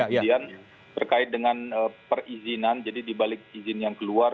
kemudian terkait dengan perizinan jadi dibalik izin yang keluar